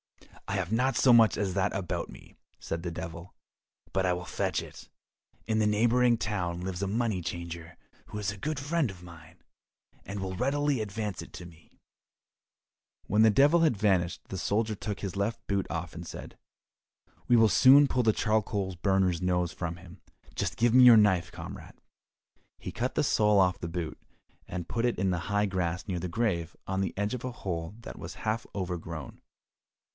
"I have not so much as that about me," said the Devil, "but I will fetch it. In the neighbouring town lives a money changer who is a good friend of mine, and will readily advance it to me." When the Devil had vanished the soldier took his left boot off, and said, "We will soon pull the charcoal burner's nose for him, just give me your knife, comrade." He cut the sole off the boot, and put it in the high grass near the grave on the edge of a hole that was half over grown.